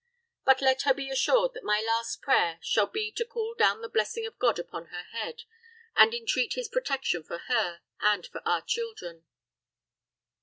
But let her be assured that my last prayer shall be to call down the blessing of God upon her head, and entreat his protection for her and for our children."